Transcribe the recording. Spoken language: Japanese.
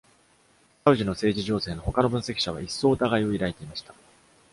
サウジの政治情勢の他の分析者は、一層疑いを抱いていました。